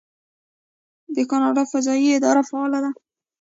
د کاناډا فضایی اداره فعاله ده.